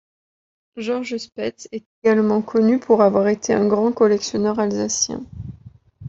Georges Spetz est également connu pour avoir été un grand collectionneur alsacien.